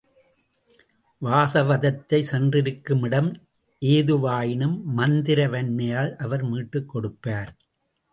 வாசவதத்தை சென்றிருக்கும் இடம் ஏதுவாயினும் மந்திர வன்மையால் அவர் மீட்டுக் கொடுப்பார்.